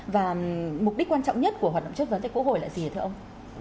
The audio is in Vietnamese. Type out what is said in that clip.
và mục đích quan trọng nhất của hoạt động chất vấn tại quốc hội là gì thưa ông